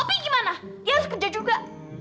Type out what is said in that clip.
tapi gimana dia harus kerja juga